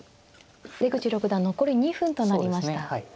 出口六段残り２分となりました。